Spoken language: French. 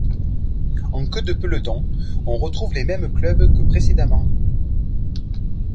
En queue de peloton, on retrouve les mêmes clubs que précédemment.